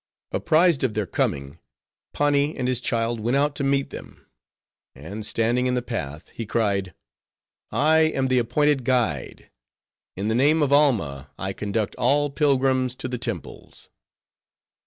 Apprised of their coming, Pani and his child went out to meet them; and standing in the path he cried, "I am the appointed guide; in the name of Alma I conduct all pilgrims to the temples."